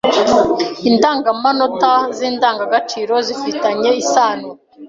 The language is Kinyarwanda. Indangamanota zi In d a n g a g a ciro zifi tanye isano